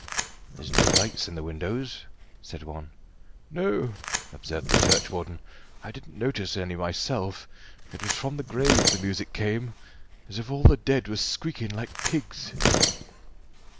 "There's no lights in the windows," said one. "No," observed the churchwarden, "I didn't notice any myself; it was from the graves the music came, as if all the dead was squeakin' like pigs."